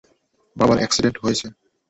বাবার এক্সিডেন্ট হয়েছে।